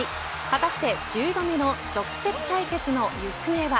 果たして１０度目の直接対決の行方は。